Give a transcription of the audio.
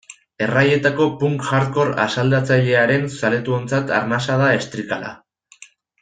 Erraietako punk-hardcore asaldatzailearen zaletuontzat arnasa da Estricalla.